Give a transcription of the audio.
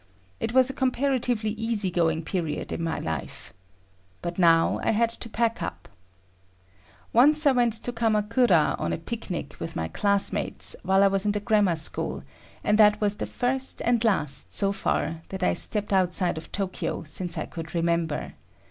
It was a comparatively easy going period in my life. But now I had to pack up. Once I went to Kamakura on a picnic with my classmates while I was in the grammar school, and that was the first and last, so far, that I stepped outside of Tokyo since I could remember.